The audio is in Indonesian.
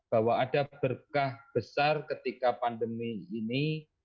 bahwa ada berkah besar ketika pandemi ini